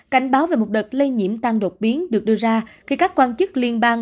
cảnh báo về một đợt lây nhiễm tăng đột biến được đưa ra khi các quan chức liên bang